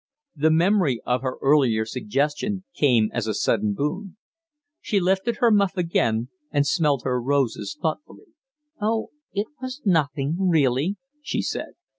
The memory of her earlier suggestion came as a sudden boon. She lifted her muff again and smelled her roses thoughtfully. "Oh, it was nothing, really," she said.